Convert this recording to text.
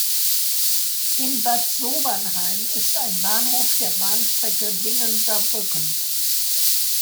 In Bad Sobernheim ist ein Bahnhof der Bahnstrecke Bingen–Saarbrücken.